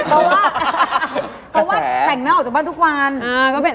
เพราะว่าแสงหน้าออกจากบ้านทุกวัน